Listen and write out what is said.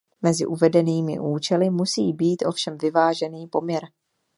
Mezi uvedenými účely musí být ovšem vyvážený poměr.